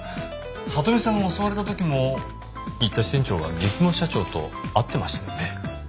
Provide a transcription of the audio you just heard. さとみさんが襲われた時も新田支店長は三雲社長と会ってましたよね？